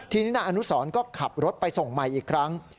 ทีนี้นายอนุสรก็ขับรถไปส่งใหม่อีกครั้ง